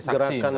iya kalau lihat